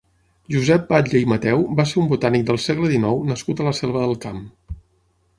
Josep Batlle i Mateu va ser un botànic del segle dinou nascut a la Selva del Camp.